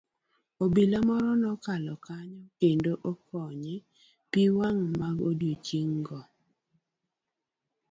Obila moro nokalo kanyo kendo okonye pii wang' magodiochieng' go.